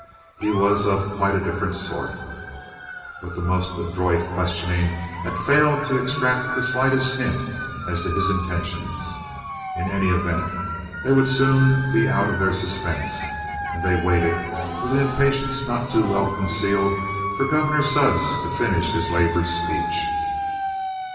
He was of quite a different sort. But the most adroit questioning had failed to extract the slightest hint as to his intentions. In any event, they would soon be out of their suspense, and they waited with an impatience not too well concealed for Gov'nor Sudds to finish his labored speech.